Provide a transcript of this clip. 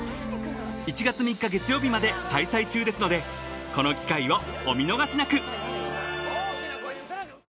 ［１月３日月曜日まで開催中ですのでこの機会をお見逃しなく］